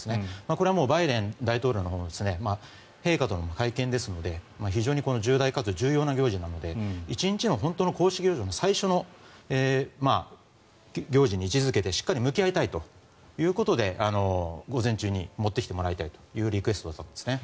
これはもう、バイデン大統領も陛下との会見ですので非常に重大かつ重要な行事なので１日の公式行事の最初の行事に位置付けてしっかり向き合いということで午前中に持ってきてもらいたいというリクエストだったんですね。